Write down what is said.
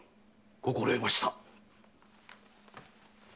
心得ました。